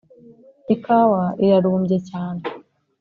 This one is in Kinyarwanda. ikawa irarumbye, cyane